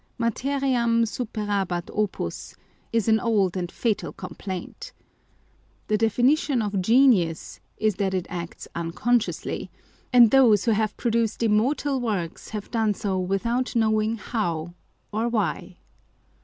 Materiam superabat opus, is an old and fatal complaint. The definition of genius is that it acts unconsciously ; and those who have produced immortal works have done so without knowing how or why.